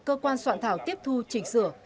cơ quan soạn thảo tiếp thu chỉnh sửa